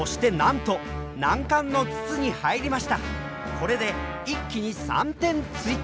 これで一気に３点追加。